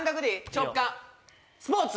直感スポーツ！